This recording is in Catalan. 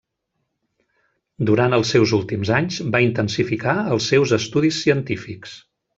Durant els seus últims anys va intensificar els seus estudis científics.